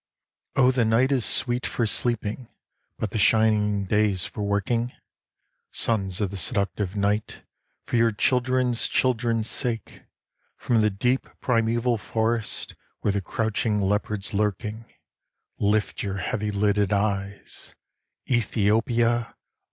Oh the night is sweet for sleeping, but the shining day's for working; Sons of the seductive night, for your children's children's sake, From the deep primeval forests where the crouching leopard's lurking, Lift your heavy lidded eyes, Ethiopia!